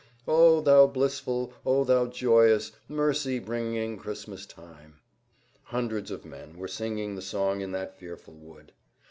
"O, thou blissful, O, thou joyous, mercy bringing Christmas time!" Hundreds of men were singing the song in that fearful wood.